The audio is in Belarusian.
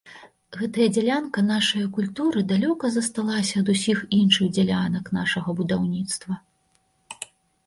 Гэтая дзялянка нашае культуры далёка засталася ад усіх іншых дзялянак нашага будаўніцтва.